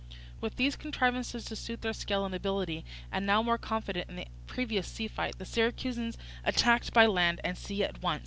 With these contrivances to suit their skill and ability, and now more confident after the previous sea fight, the Syracusans attacked by land and sea at once.